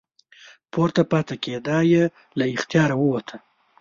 پورته پاتې کیدا یې له اختیاره ووته.